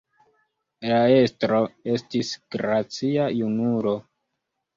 La estro estis gracia junulo.